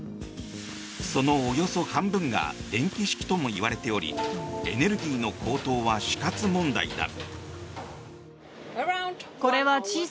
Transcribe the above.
そのおよそ半分が電気式ともいわれておりエネルギーの高騰は死活問題だ。